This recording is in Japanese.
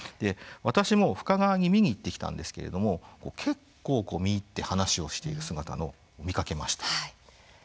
私も深川に見に行ってきたんですけれども結構、見入って話をしている姿を見かけました。